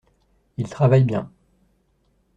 Il travaille bien.